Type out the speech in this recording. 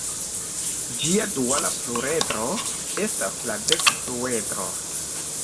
Ĝia duala pluredro estas la dekduedro.